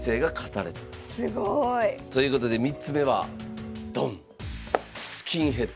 すごい。ということで３つ目はドン。